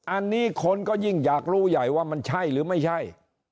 อันนี้คนก็ยิ่งอยากรู้ใหญ่ว่ามันใช่หรือไม่ใช่